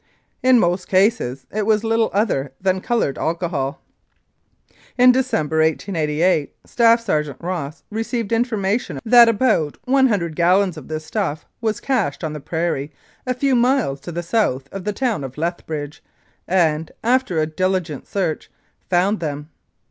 In most cases it was little other than coloured alcohol. In December, 1888, Staff Sergeant Ross received information that about 100 gallons of this stuff was "cached" on the prairie a few miles to the south of the town of Lethbridge, and after diligent search, found them.